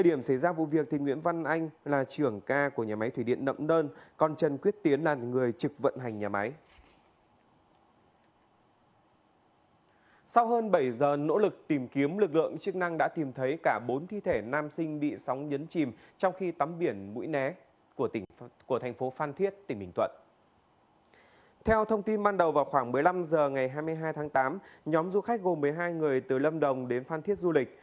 ban đầu vào khoảng một mươi năm h ngày hai mươi hai tháng tám nhóm du khách gồm một mươi hai người từ lâm đồng đến phan thiết du lịch